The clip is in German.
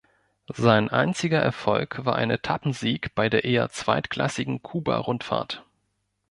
Sein einziger Erfolg war ein Etappensieg bei der eher zweitklassigen Kuba-Rundfahrt.